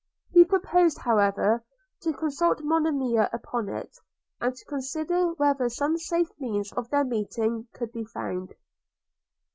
He proposed, however, to consult Monimia upon it, and to consider whether some safe means of their meeting could be found.